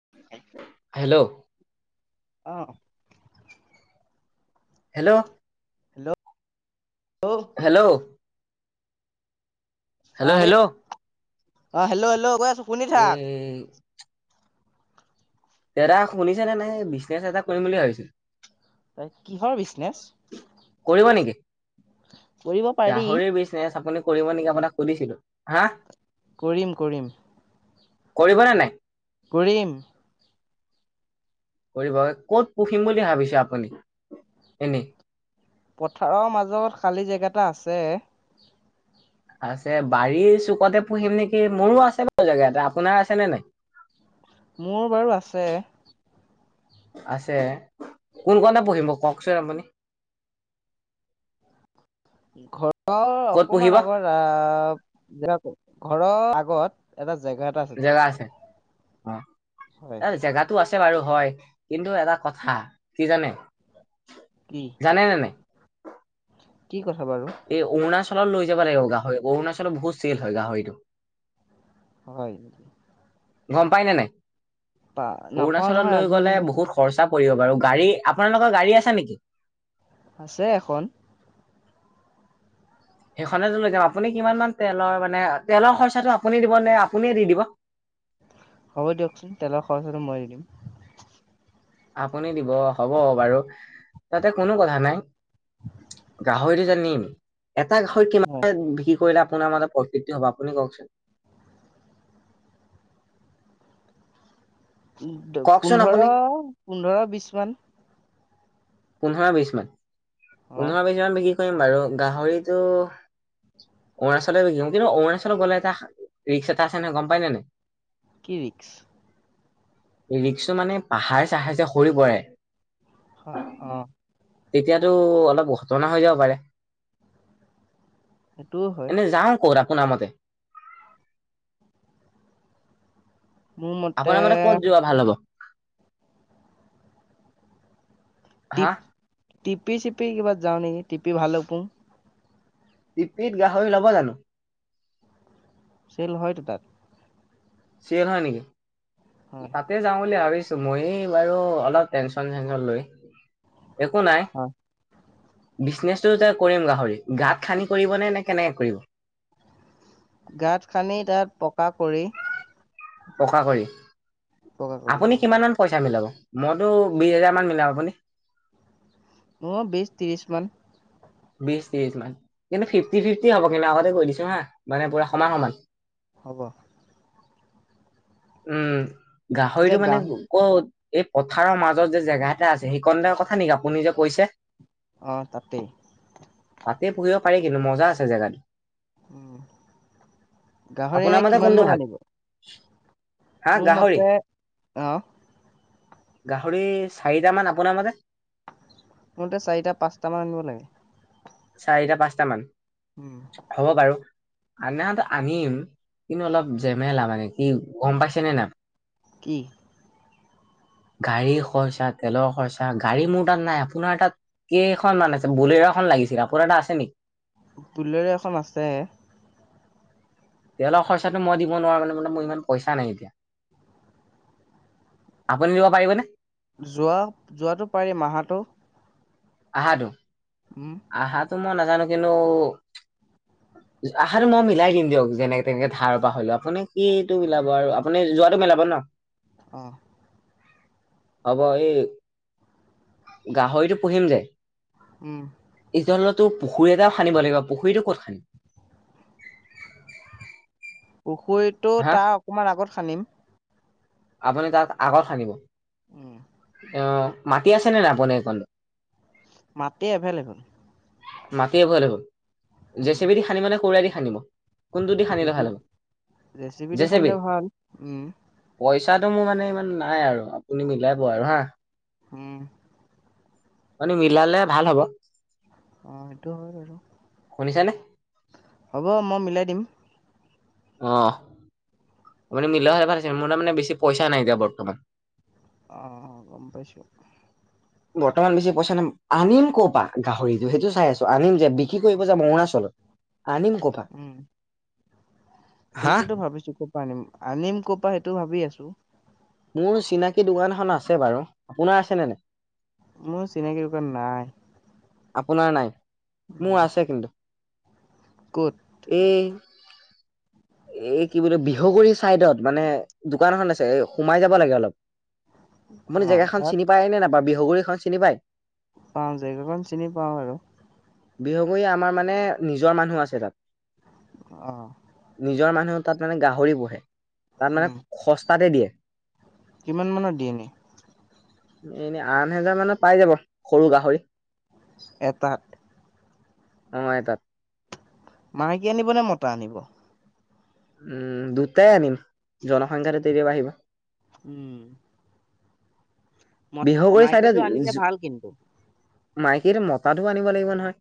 [unintelligible] Hello. অ'। Hello. হে, ল্ল'। Hello. অ' হেল্ল' [unintelligible] অ' হেল্ল', হেল্ল', কৈ আছো। শুনি থাক উম। দাদা শুনিছেনে নাই বিজনেছ এটা কৰিম বুলি ভাবিছো। [unintelligible] কিহৰ বিজনেছ। গাহৰি বিজনেচ আপুনি কৰিব নেকি আপোনাক সুধিছিলো, হা? কৰিম কৰিম। কৰিবনে নাই। কৰিম। কৰিব ক'ত পুহিম বুলি ভাবিছে আপুনি এনেই। পথাৰৰ মাজত খালী জেগাটা আছে। আছে বাৰীৰ চুকতে পুহিম নেকি মোৰো আছে বাৰু জেগা এটা আপোনাৰ আছে নে নাই। মোৰ বাৰু আছে। আছে কোন কতে পুহিব কওকচোন আপুনি। ঘৰৰ ক'ত পুহিব অকমান আগৰ য ঘৰৰ আগত এটা জেগা জেগা আছে হয় অ' জেগাত আছে বাৰু হয় কিন্তু এটা কথা কি জানে। কি? জানে নে নাই? কি কথা বাৰু। এই অৰুণাচলত লৈ যাব লাগিব গাহৰি অৰুণাচলত বহুত চেল হয় গাহৰিটো। হয়। গম পাই নে নাই পা নাপাও অৰুণাচলত নহয় লৈ আজিহে গ'লে গম পাইছো বহুত খৰচা পৰিব বাৰু গাড়ী আপোনালোকৰ গাড়ী আছে নেকি? আছে এখন। সেইখনেতো লৈ যাম আপুনি কিমান মান তেলৰ মানে তেলৰ খৰচাটো আপুনি দিব নে আপুনিয়ে দি দিব। হ'ব দিয়কচোন তেলৰ খৰচাটো মই দি দিম। আপুনি দিব হ'ব বাৰু তাতে কোনো কথা নাই। গাহৰিটো যে নিম এটা গাহৰি হয় কিমান বিক্ৰী কৰিলে আপোনাৰ মানে প্ৰফিটটো হব আপুনি কওকচোন। কওকচোন পোন্ধৰ আপুনি পোন্ধৰ বিশ মান। পোন্ধৰ বিশ মান অ পোন্ধৰ বিশ মান বিক্ৰী কৰিম বাৰু গাহৰিটো অৰুণাচললৈ গিম কিন্তু অৰুণাচল গলে এটা ৰিক্স এটা আছে নহয় গম পাই নাই। কি ৰিক্স? ৰিক্সটো মানে পাহাৰ চাহাৰ যে সৰি পৰে। হয় অ'। তেতিয়াতো অলপ ঘটনা হৈ যাব পাৰে। সেইটোও হয় এনেই যাওঁ কত আপোনাৰ মতে আপোনাৰ মতে কত যোৱা ভাল হব। টিপ হা টিপি চিপি কিবা যাওঁ নেকি টিপি ভাল পো টিপিত গাহৰি ল'ব জানো। চেল হয়তো তাত। চেল হয় নেকি হয় ত যাওঁ বুলি ভাবিছো মই বাৰু অলপ টেনচন চেনচন লৈ একো নাই। হয় বিজনেচটো যে কৰিম গাহৰি গাঁত খানদি কৰিব নে নে কেনেকে কৰিব? গাঁত খান্দি তাত পকা কৰি পকা কৰি, পকা কৰি অ আপুনি কিমান মান পইচা মিলাব? মইতো বিশ হেজাৰ মান মিলাম, আপুনি? [unintelligible] বিছ ত্ৰিছ মান। বিশ ত্ৰিশ মান কিন্তু ফিফটি, ফিফটি হ'ব কিন্তু আগতে কৈ দিছোঁ হা মানে পুৰা সমান, সমান। হ'ব। উম, এতিয়া গাহৰিটো মানে গাহৰি আকৌ এই পথাৰৰ মাজত যে জেগা এটা আছে সেইকনৰ কথা নেকি আপুনি যে কৈছে? অ', তাতেই। তাতেই পুহিব পাৰি কিন্তু মজা আছে জেগাটো। উম, গাহৰি আপোনাৰ এনে মতে কিমান কোনটো মান আনিব? [inaudible] মোৰ মতে, অ' গাহৰি চাৰিটামান, আপোনাৰ মতে? মোৰ মতে চাৰিটা পাঁচটামান আনিব লাগে। চাৰিটা পাঁচটা মান? উম। হ'ব বাৰু। আনাত আনিম কিন্তু অলপ জেমেলা মানে কি গম পাইছে নে নাই! কি? গাড়ী খৰচা, তেলৰ খৰচা, গাড়ী মোৰ তাত নাই। আপোনাৰ তাত কেইখন মান আছে, ব'লেৰোখন লাগিছিল আপোনাৰ তাত আছে নেকি? বুলেৰো এখন আছে। তেলৰ খৰচাটো মই দিব নোৱাৰো [unintelligible] মানে মোৰ ইমান পইচা নাই এতিয়া। আপুনি দিব পাৰিবনে? যোৱা, যোৱাটো পাৰিম আহাটো? আহাটো? উম। আহাটো মই নাজানো, কিন্তু অ', আহাটো মই মিলাই দিম দিয়ক, যেনে তেনে ধাৰৰ পৰা হ'লেও আপুনি এইটো মিলাব আৰু আপুনি যোৱাটো মিলাব ন! অ'। হ'ব এই গাহৰিটো পুহিম যে উম। [unintelligible] পুখুৰী এটাও খান্দিব লাগিব, পুখুৰীতো ক'ত খানিম? পুখুৰীটো হা তাৰ অকমান আগত খানিম। আপুনি তাত আগত খান্দিব! উম। অ', মাটি আছেনে নাই আপুনি এইকণ? মাটি এভেইলেবল। মাটি এভেলেবেল, জে চি বি দি খানিব নে, কোৰে দি খানিব? কোনটো দি জে খানিলে ভাল চি- হ'ব জেচিপি দি জে চি বি খানিলে ভাল, উম। পইচাটো মোৰ মানে ইমান নাই আৰু আপুনি মিলাইব আৰু হা। উম। মানে মিলালে ভাল হ'ব। অ', সেইটো হয়, বাৰু শুনিছেনে হ'ব মই মিলাই দিম। অ', আপুনি মিলোৱা হয়, ভাল আছিল, মোৰ [unintelligible] মানে বেছি পইচা নাই এতিয়া বৰ্তমান। অ', অ', গম পাইছোঁ। বৰ্তমান বেছি পইচা নাই। আনিম ক'ৰপা গাহৰিটো সেইটো চাই আছোঁ, আনিম যে বিক্ৰী কৰিব যাম অৰুণাচলত! আনিম ক'ৰ পৰা? উম, হা? সেইটোতো ভাবিছোঁ খুব আম আনিম ক'ৰ পৰা সেইটো ভাবি আছোঁ। মোৰ চিনাকী দোকান এখন আছে বাৰু। আপোনাৰ আছে নে নাই? মোৰ চিনাকি দোকান নাই। আপোনাৰ নাই মোৰ নাই। আছে কিন্তু। ক'ত? এই এই কি বুলে বিহগুৰি চাইদত মানে দোকান এখন আছে এ সোমাই যাব লাগে অলপ। আপুনি অ' জেগাখন তাত চিনি পায় নে নাপায় বিহগুৰিখন চিনি পায়। পাওঁ, জেগাখন চিনি পাওঁ বাৰু। বিহগুৰি আমাৰ মানে নিজৰ মানুহ আছে তাত। অ'। নিজৰ মানুহে তাত মানে গাহৰি পুহে। তাত মানে উম, সস্তাতে দিয়ে। কিমান মানত দিয়ে এনে? এনে আঠ হেজাৰ মানত পাই যাব, সৰু গাহৰি। এটাত। অ' এটাত। মাইকী আনিবনে মতা আনিব। উম, দুটাই আনিম জনসংখ্যাটো তেতিয়া বাঢ়িব। উম। মত বিহগুৰি চাইদত মাইকীটো আনিলে যো, ভাল কিন্তু। মাইকী মতাতো আনিব লাগিব নহয়।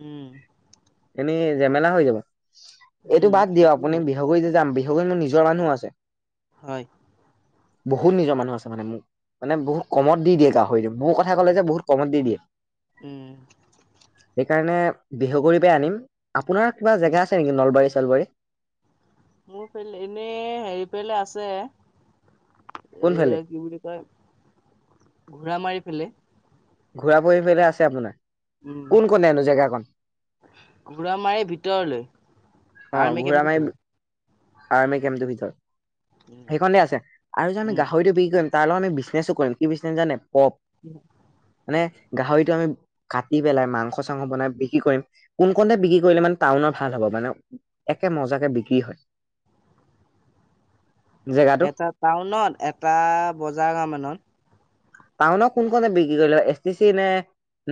উম। এনেই ঝোমেলা হৈ যাব, এইটো উম, বাদ দিয়ক সেইটো আপুনি হয়। বিহগুৰি যে যাম বি মোৰ নিজৰ মানুহ আছে। হয়। বহুত নিজৰ মানুহ আছে মো মানে বহুত কমত দি দিয়ে গাহৰিটো মোৰ কথা ক'লে যে বহুত কমত দি দিয়ে। উম। সেইকাৰণে বিহু গুৰি পাই আনিম, আপোনাৰ কিবা জেগা আছে নেকি নলবাৰী চলবাৰী। মোৰ ফেলে এনেই হেৰি ফেলে আছে, এ কোনফালে কি বুলি [unintelligible] ঘোৰা মাৰি ফেলে। ঘূৰা ফহি পেলাই আছে আপোনাৰ। উম, কোন কনেনো জেগাকন ঘোৰা মাৰি ভিতৰলৈ। অ, আৰ্মি ঘোৰা কেমটো মাৰি ফালে। আৰ্মি কেম্পটোৰ ভিতৰত, উম সেইখনতে আছে আৰু যে আমি উম গাহৰিটো বিক্ৰী কৰিম তাৰ লগত আমি বিজনেছো কৰিম কি বিজনেছ জানে পপ। [unintelligible] মানে গাহৰিটো আমি কাটি পেলাই মাংস চাংস বনাই বিক্ৰী কৰিম। কোন কণে বিক্ৰী কৰিলে মানে টাউনৰ ভাল হ'ব মানে, একে মজাকে বিক্ৰী হয়। জেগাটো এটা টাউনত এটা বজাৰ মান মানত। টাউনত কোন কণে বিক্ৰী কৰিলে এছ টি চি নে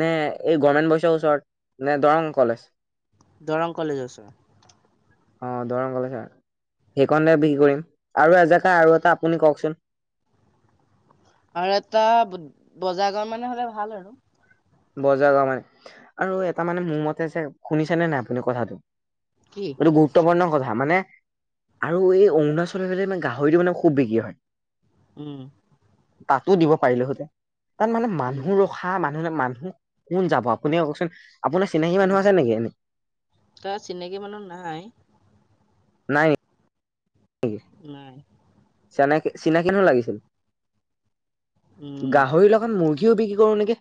নে এই গভমেণ্ট পইচাৰ ওচৰত, নে দৰং কলেজ। দৰং কলেজৰ ওচৰত। অ', দৰং কলেজ। সেইকণতে বিক্ৰী কৰিম, আৰু এজেগা আৰু এটা আপুনি কওঁকচোন। আৰু এটা বজাৰ গড় মানে হ'লে ভাল আৰু। বজাৰ গাওঁ মানে, আৰু এটা মানে মোৰ মতে যে শুনিছেনে নাই আপুনি কথাটো। কি এইটো গুৰত্বপূৰ্ণ কথা মানে আৰু এই অৰুণাচল মানে গাহৰিটো মানে খুব বিক্ৰী হয়। উম। তাতো দিব পাৰিলো হঁতে, তাত মানে উম মানুহ ৰখা মানুহে মান কোন যাব আপুনি কওঁকচোন আপোনাৰ চিনাকী উম মানুহ আছে নেকি এনে তাৰ চিনাকি মানুহ নাই। নাই [unintelligible] নাই। চানেকি চিনাকি জেন লাগিছিল, উম গাহৰি লগ এখন মুৰ্গীও বিক্ৰী কৰো নেকি।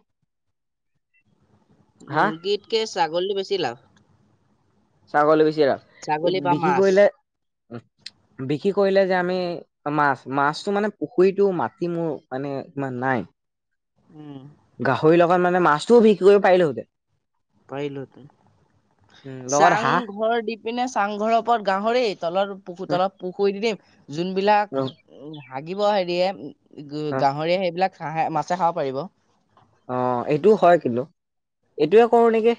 হা মুৰ্গীতকৈ ছাগলী বেছি লাভ। ছাগলী বেছি লাভ, ছাগলী বা বিক্ৰী মাছ কৰিলে, বিক্ৰী কৰিলে যে আমি মাছ মাছটো মানে পুখুৰীটো মাটি মোৰ মানে ইমান নাই। উম। গাহৰিৰ লগত মানে মাছটোও বিক্ৰী কৰিব পাৰিলোহতে। পাৰিলো হেতে উম লগত হাঁহ চাংঘৰ দি পিনে চাংঘৰৰ ওপৰত গাহৰি। তলত পুুৰ তলত পুখুৰী দিম যোনবিলাক উ হাগিব হেৰিয়ে গাহৰিয়ে সেইবিলাক মাছে খাব পাৰিব। অ' এইটোও হয় কিন্তু এইটোয়ে কৰো নেকি।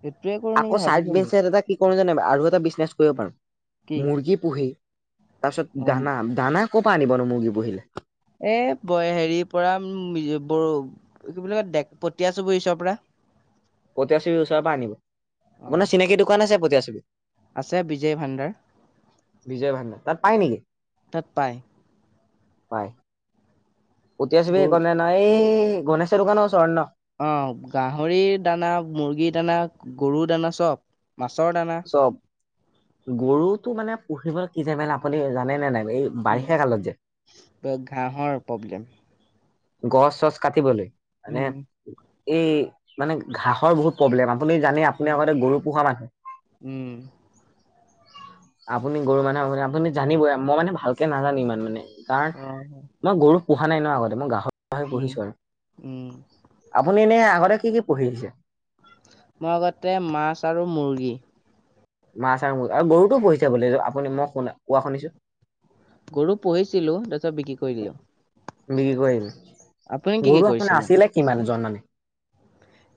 সেইটোৱে কৰো আকৌ নেকি চাইড ভাবিছো মই বেঞ্চ এ কি কৰো জান আৰু এটা বিজনেছ কৰিব কি পাৰো মুৰ্গী পুহি তাৰপিছত উম দানা দানা ক'ৰ পৰা আনিবনো মুৰ্গী পুহিলে? এ ব হেৰিৰ পৰা বৰু কি বুলি কয় [unintelligible] পৰা পটীয়াছবিৰ ওচৰৰ পৰা আনিব অ আপোনাৰ চিনাকি দোকান আছে পটীয়াছবি আছে বিজয় ভাণ্ডাৰ। বিজয় ভাণ্ডাৰ তাত পায় নেকি। তাত পায়। পাই। [unintelligible] গৰু ন এই গণেশৰ দোকান ওচৰত ন। অ' গাহৰিৰ দানা মুৰ্গীৰ দানা গৰু দানা চব মাছৰ দানা। গৰুটো মানে পুহিবলৈ কি যে মান আপুনি জানে নে নাই এই উ বাৰিষা কালত যে ঘাঁহৰ প্ৰব্লেম। গছ চছ কাটিবলৈ মানে উম এই মানে ঘাঁহৰ বহুত প্ৰব্লেম আপুনি জানে আপুনি আগতে গৰু পোহা মানুহ। উম আপুনি গৰু মানুহ আপুনি জানিবই মই মানে ভালকে নাজানো ইমান মানে। কাৰণ অ মই গৰুক পোহা নাই ন আগতে মই গাহৰি উম, পুহিছো আৰু। উম, আপুনি এনেই আগতে কি কি পঢ়িছে? মই আগতে মাছ আৰু মুৰ্গী। মাছ আৰু ম আৰু গৰুটো পুহিছে বুলি আপুনি মই শুনা কোৱা শুনিছো। গৰু পুহিছিলো তাৰ পিছত বিক্ৰী কৰি দিলো। বিক্ৰী কৰিম আপুনি কি কি গৰু আপোনাৰ কৰিছিলে? আছিলে কিমানজন মানে।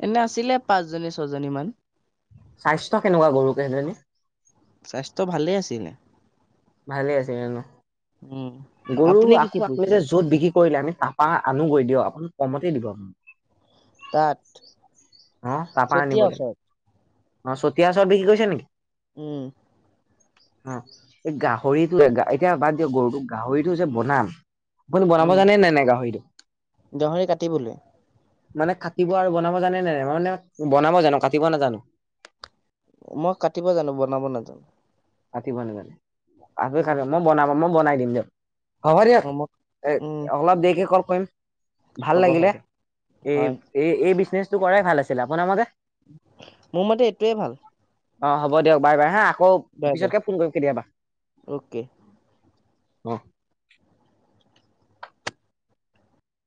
এনে আছিলে পাঁচজনী ছজনীমান। স্বাস্থ্য কেনেকুৱা গৰুকেইজনীৰ স্বাস্থ্য ভালেই আছিলে। ভালে আছে জানো উম, গৰু আপুনি কি আকৌ কি আকু যে পুহিছিলে? য'ত বিক্ৰী কৰিলে আমি তাপ পাহ আনোগৈ দিয়ক অকণ কমতে দিব। তাত অ' তাপা চতিয়া আনিবলে। ওচৰত, অ' চতিয়া চৰ বিকি কৰিছে নিকি উম। অ'। এই গাহৰিটোোৱ এতিয়া বাদ দিয়ক গৰুটো গাহৰিটো যে বনাম আপুনি বনাব জানে নে নাই গাহৰিটো? দহৰি কাটিবলৈ? মানে কাটিব আৰু বনাব জানেনে নাই? মই মানে বনাব জানো কাটিব নাজানো। মই কাটিব জানো, বনাব নাজানো। কাটিব নাজানে। উম, আৰই মই বনাবা, মই বনাই দিম দিয়ক। হ'ব দিয়ক। অ' মই এ, উম, অলপ দেৰিকে কল কৰিম। ভাল হ'ব লাগিলে। হ'ব এই হয়, এই এই বিজনেচটো কৰাই ভাল আছিলে। আপোনাৰ মতে? মোৰ মতে এইটোৱে ভাল। অ' হ'ব দিয়ক বাই বাই হা, আকৌ বাই বাই, পিছতকে ফোন কৰিম কেতিয়াবা। অ'কে। অ'।